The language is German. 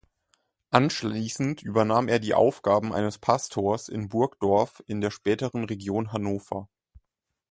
Anschließend übernahm er die Aufgaben eines Pastors in Burgdorf in der späteren Region Hannover.